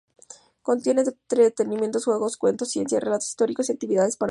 Contiene entretenimientos, juegos, cuentos, ciencia, relatos históricos y actividades para los menores.